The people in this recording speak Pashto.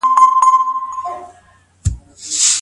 بې تدبيره خلګ تر واده وروسته ولي پرېشان وي؟